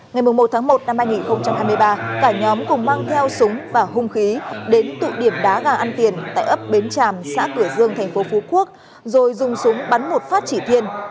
ngày một tháng một năm hai nghìn hai mươi ba cả nhóm cùng mang theo súng và hung khí đến tụ điểm đá gà ăn tiền tại ấp bến tràm xã cửa dương tp phú quốc rồi dùng súng bắn một phát chỉ thiên